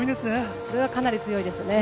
それはかなり強いですね。